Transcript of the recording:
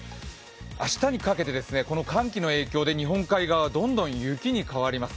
明日にかけてこの寒気の影響で日本海側、どんどん雪に変わります。